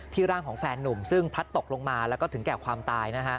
ร่างของแฟนนุ่มซึ่งพลัดตกลงมาแล้วก็ถึงแก่ความตาย